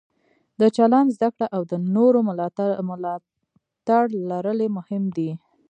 د چلند زده کړه او د نورو ملاتړ لرل یې مهم دي.